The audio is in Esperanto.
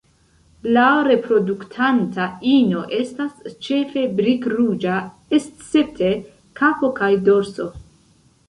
La reproduktanta ino estas ĉefe brik-ruĝa escepte kapo kaj dorso.